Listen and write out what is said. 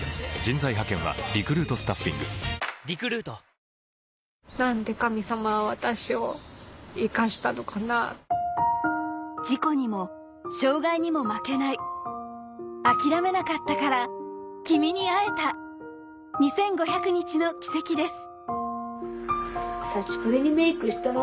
「ロキソニンＳクイック」ピンポーン事故にも障がいにも負けない諦めなかったから君に会えた２５００日の軌跡です